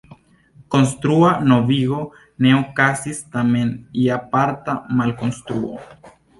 Konstrua novigo ne okazis, tamen ja parta malkonstruo.